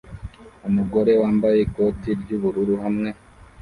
Umugore wambaye ikoti ry'ubururu hamwe